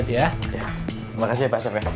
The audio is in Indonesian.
terima kasih ya pak seth ya